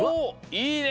いいね！